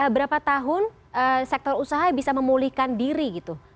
berapa tahun sektor usaha bisa memulihkan diri gitu